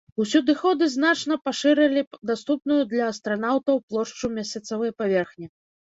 Усюдыходы значна пашырылі даступную для астранаўтаў плошчу месяцавай паверхні.